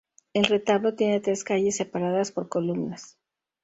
El retablo tiene tres calles separadas por columnas.